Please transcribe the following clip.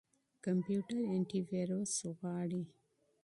کمپيوټر انټيويروس غواړي.